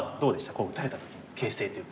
こう打たれた時形勢というか。